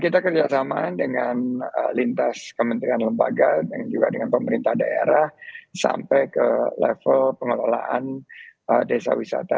kita kerjasama dengan lintas kementerian lembaga dan juga dengan pemerintah daerah sampai ke level pengelolaan desa wisata